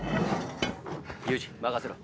ユージ任せろ。